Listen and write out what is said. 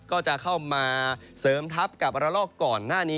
ก็จะเข้ามาเสริมทัพกับระลอกก่อนหน้านี้